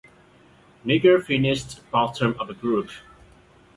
Niger finished bottom of the group.